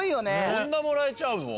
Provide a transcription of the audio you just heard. こんなもらえちゃうの？